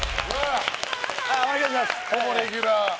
ほぼレギュラー。